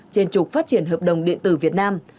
trên trục phát triển hợp đồng điện tử việt nam